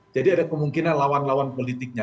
jadi ada kemungkinan lawan lawan politiknya